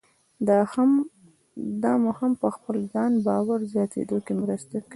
دا مو هم په خپل ځان باور زیاتېدو کې مرسته کوي.